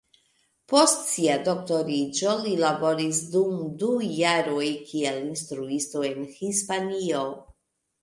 Post sia doktoriĝo li laboris dum du jaroj kiel instruisto en Hispanio.